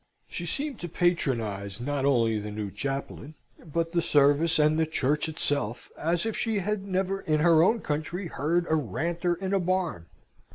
She seemed to patronise not only the new chaplain, but the service and the church itself, as if she had never in her own country heard a Ranter in a barn.